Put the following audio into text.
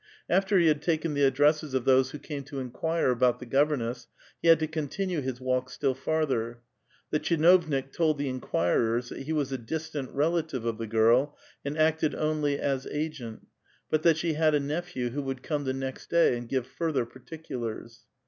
After he had tjiken the addresses of those who came to inquire about the governess, he had to continue his walk still farther ; the tchinovnik told the inquirers that he was a distant relative of the girl and acted only as agent, but that she had a nephew who would come the ni?xt day and give further particulars.